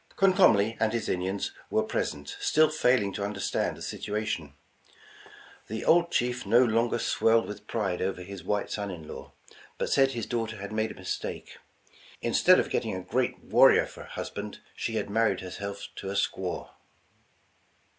Comcomly and his Indians were present, still failing to understand the situation. The old chief no longer swelled witn pride over his white son in law, but said his daughter had made a mistake ;*' instead of getting a great warrior for a husband, she had married herself to a squaw."'